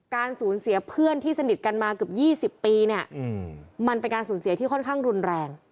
การสูญเสียเพื่อนที่สนิทกันมาเกือบ๒๐ปีเนี่ยมันเป็นการสูญเสียที่ค่อนข้างรุนแรง